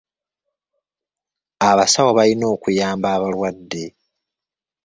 Abasawo balina okuyamba abalwadde.